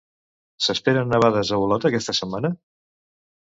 S'esperen nevades a Olot aquesta setmana?